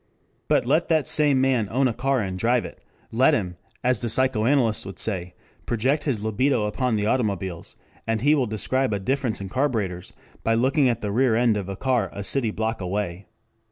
But let that same man own a car and drive it, let him, as the psychoanalysts would say, project his libido upon automobiles, and he will describe a difference in carburetors by looking at the rear end of a car a city block away.